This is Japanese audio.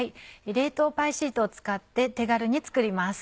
冷凍パイシートを使って手軽に作ります。